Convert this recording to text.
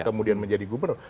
kemudian menjadi gubernur